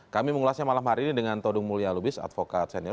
kami mengulasnya malam hari ini dengan todung mulya lubis advokat senior